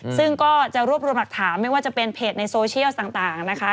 ซึ่งก็จะรวบรวมหลักฐานไม่ว่าจะเป็นเพจในโซเชียลต่างนะคะ